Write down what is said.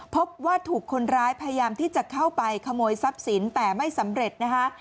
พบว่าถูกคนร้ายพยายามที่จะเข้าไปขโมยทรัพย์สินแต่ไม่สำเร็จนะคะ